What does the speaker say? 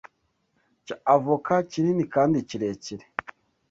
cya avoka kinini kandi kirekire